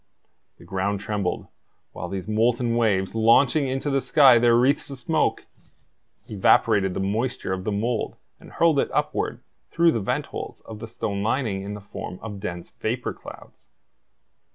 The ground trembled, while these molten waves, launching into the sky their wreaths of smoke, evaporated the moisture of the mould and hurled it upward through the vent holes of the stone lining in the form of dense vapor clouds.